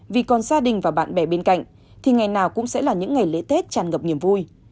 vì còn gia đình và bạn bè bên cạnh thì ngày nào cũng sẽ là những ngày lễ tết tràn ngập niềm vui